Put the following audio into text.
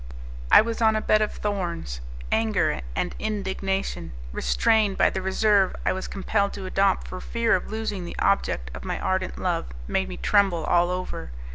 I was on a bed of thorns! Anger and indignation, restrained by the reserve I was compelled to adopt for fear of losing the object of my ardent love, made me tremble all over.